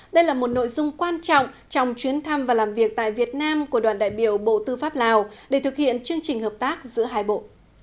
đây là một nội dung quan trọng trong chuyến thăm và làm việc tại việt nam của đoàn đại biểu bộ tư pháp lào để thực hiện chương trình hợp tác giữa hai bộ